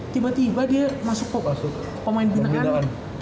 tiba tiba dia masuk ke pemain pindahan